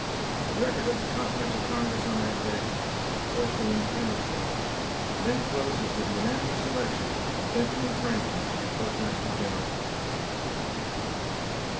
The record of the Continental Congress on that day (postal independence day), then closes with the unanimous election of Benjamin Franklin to be Postmaster General.